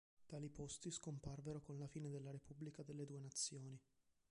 Tali posti scomparvero con la fine della Repubblica delle Due Nazioni.